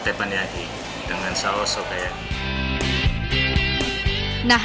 menurut penelitian kambing yang dibuat dengan lem chop adalah yang terbaik